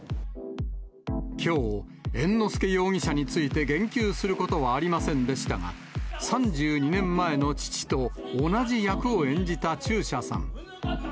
きょう、猿之助容疑者について言及することはありませんでしたが、３２年前の父と同じ役を演じた中車さん。